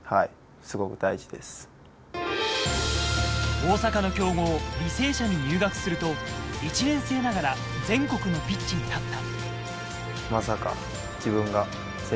大阪の強豪・履正社に入学すると、１年生ながら全国のピッチに立った。